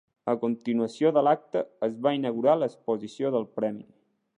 A continuació de l'acte es va inaugurar l'exposició del Premi.